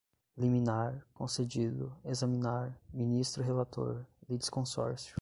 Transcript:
liminar, concedido, examinar, ministro relator, litisconsórcio